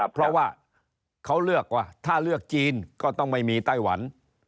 เพราะว่าเขาเลือกว่าถ้าเลือกจีนก็ต้องไม่มีไต้หวัน